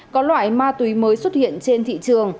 có loại ma túy mới xuất hiện trên thị trường